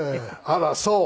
あらそう？